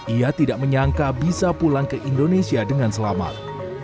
ia tidak menyangka bisa pulang ke indonesia dengan selamat